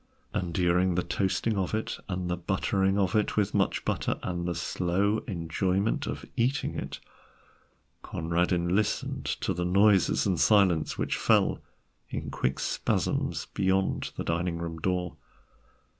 And during the toasting of it and the buttering of it with much butter and the slow enjoyment of eating it, Conradin listened to the noises and silences which fell in quick spasms beyond the dining room door.